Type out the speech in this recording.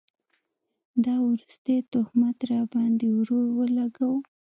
دا وروستی تهمت راباند ې ورور اولګوو